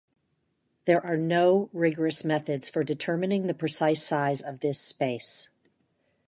There are no rigorous methods for determining the precise size of this space.